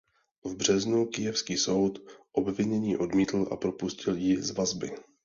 V březnu kyjevský soud obvinění odmítl a propustil ji z vazby.